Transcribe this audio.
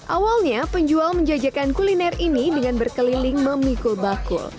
awalnya penjual menjajakan kuliner ini dengan berkeliling memikul bakul